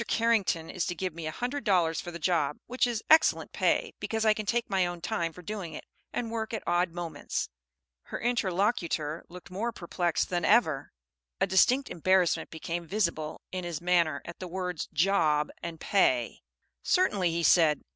Carrington is to give me a hundred dollars for the job; which is excellent pay, because I can take my own time for doing it, and work at odd moments." Her interlocutor looked more perplexed than ever. A distinct embarrassment became visible in his manner at the words "job" and "pay." "Certainly," he said.